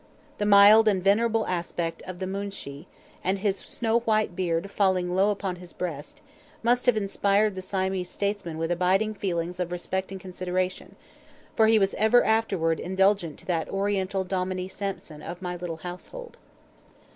The mild and venerable aspect of the Moonshee, and his snow white beard falling low upon his breast, must have inspired the Siamese statesman with abiding feelings of respect and consideration, for he was ever afterward indulgent to that Oriental Dominie Sampson of my little household.